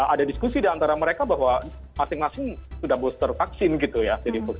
ada diskusi diantara mereka bahwa masing masing sudah booster vaksin gitu ya